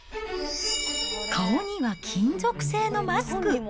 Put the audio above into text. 顔には金属製のマスク。